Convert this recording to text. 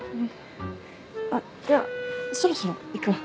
あっじゃあそろそろ行くわ。